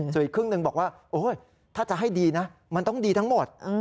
ส่วนอีกครึ่งหนึ่งบอกว่าถ้าจะให้ดีนะมันต้องดีทั้งหมด